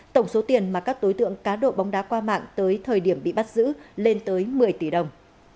tổng số tiền mà các đối tượng cá độ bóng đá qua mạng tới thời điểm bị bắt giữ lên tới một mươi tỷ đồng